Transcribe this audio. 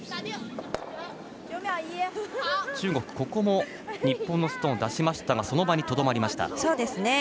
中国、ここも日本のストーンを出しましたがその場にとどまりました。